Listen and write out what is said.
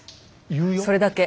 それだけ。